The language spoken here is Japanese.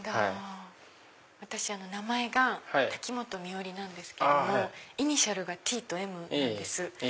私名前が瀧本美織なんですけどもイニシャルがＴとＭなんです。